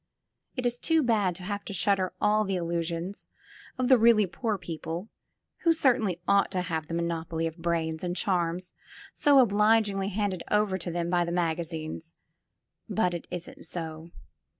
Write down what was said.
It is too bad to have to shatter all the illusions of the really poor people, who certainly ought to have the monopoly of brains and charms so obligingly handed over to them by the magazines, but it isn't so.